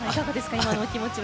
今のお気持ちは。